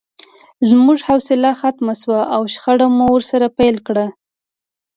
زموږ حوصله ختمه شوه او شخړه مو ورسره پیل کړه